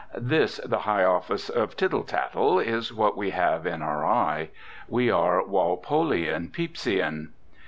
This, the high office of tittle tattle, is what we have in our eye. We are Walpolian, Pepysian.